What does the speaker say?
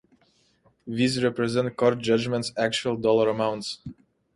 These represent court judgments, actual dollar amounts.